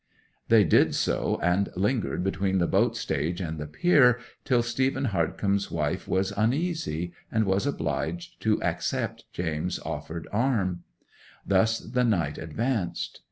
'They did so, and lingered between the boat stage and the pier till Stephen Hardcome's wife was uneasy, and was obliged to accept James's offered arm. Thus the night advanced.